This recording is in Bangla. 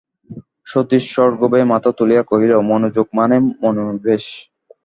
সতীশ সগর্বে মাথা তুলিয়া কহিল, মনোযোগ মানে মনোনিবেশ।